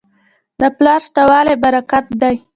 د پلار شته والی برکت دی.